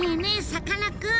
さかなクン！